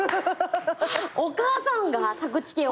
お母さんがタクチケを！？